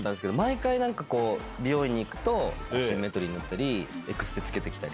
毎回美容院に行くとアシンメトリーになったりエクステつけてきたり。